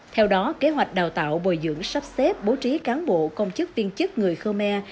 theo đó kế hoạch đào tạo bồi dưỡng sắp xếp bố trí cán bộ công chức viên chức người khmer